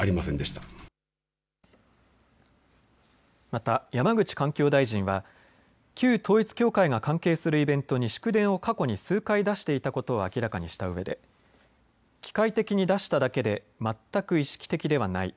また山口環境大臣は旧統一教会が関係するイベントに祝電を過去に数回出していたことを明らかにしたうえで機械的に出しただけで全く意識的ではない。